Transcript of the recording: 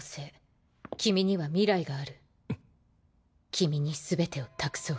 君に全てを託そう。